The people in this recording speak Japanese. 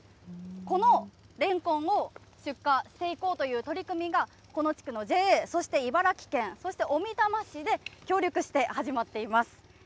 このレンコンを出荷していこうという取り組みが、この地区のＪＡ、そして茨城県、そして小美玉市で協力して始まっています。